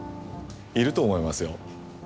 いると思いますよ